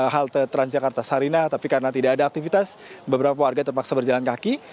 halte transjakarta sarina tapi karena tidak ada aktivitas beberapa warga terpaksa berjalan kaki